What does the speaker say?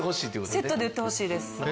セットで売ってほしいです。